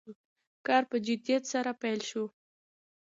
کار په جدیت سره پیل شو.